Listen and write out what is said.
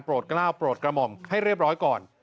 กล้าวโปรดกระหม่อมให้เรียบร้อยก่อน